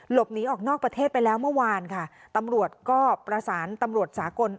หลบหนีออกนอกประเทศไปแล้วเมื่อวานค่ะตำรวจก็ประสานตำรวจสากล